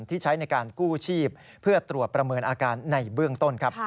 ที่ใช้ในการกู้ชีพเพื่อตรวจประเมินอาการในเบื้องต้นครับ